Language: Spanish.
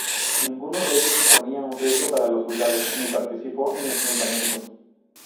Ninguno de ellos suponía un riesgo para los soldados ni partició en enfrentamientos.